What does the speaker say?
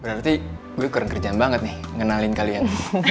berarti gue keren kerjaan banget nih ngenalin kalian